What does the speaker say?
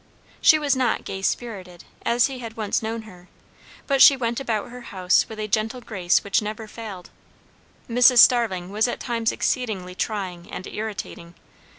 She was not gay spirited, as he had once known her; but she went about her house with a gentle grace which never failed. Mrs. Starling was at times exceedingly trying and irritating.